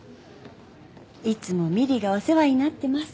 いつも美璃がお世話になってます